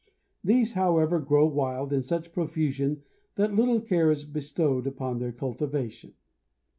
These, however, grow wild in such profusion that little care is bestowed upon their cultivation.